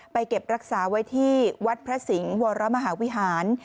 เก็บรักษาไว้ที่วัดพระสิงห์วรมหาวิหาร